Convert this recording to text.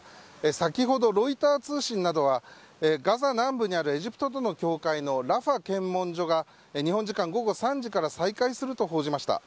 先ほど、ロイター通信などはガザ南部にあるエジプトとの境界の検問所が日本時間午後３時から再開すると報じました。